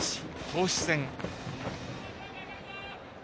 投手戦。